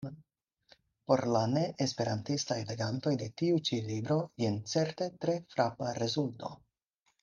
Por la ne-esperantistaj legantoj de tiu ĉi libro jen certe tre frapa rezulto.